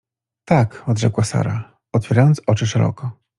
— Tak! — odrzekła Sara, otwierając oczy szeroko.